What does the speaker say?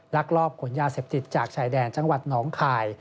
ลักลอบขนยาเสพติดจากชายแดนจังหวัดหนองคาย